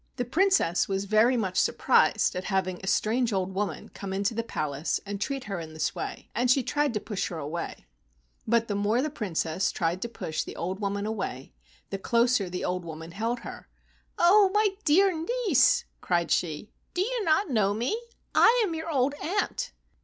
The Princess was very much surprised at having a strange old woman come into the palace and treat her in this way, and she tried to push her away. But the more the Princess 46 AN EAST INDIAN STORY tried to push the old woman away, the closer the old woman held her. "Oh, my dear niece!" cried she, "do you not know me ? I am your old aunt."